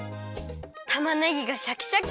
たまねぎがシャキシャキ！